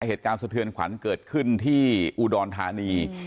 เหตุการณ์สะเทือนขวัญเกิดขึ้นที่อูดรฐานี